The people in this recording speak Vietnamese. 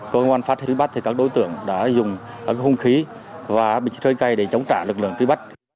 công an phá trị truy bắt thì các đối tượng đã dùng hông khí và bịch trời cây để chống trả lực lượng truy bắt